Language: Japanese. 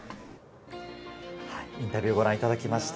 インタビュー、ご覧いただきました。